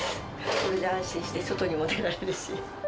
これで安心して外にも出られるし。